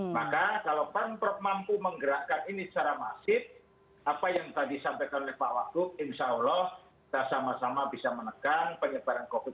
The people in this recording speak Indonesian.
maka kalau pemprov mampu menggerakkan ini secara masif apa yang tadi sampaikan oleh pak wakub insya allah kita sama sama bisa menekan penyebaran covid sembilan belas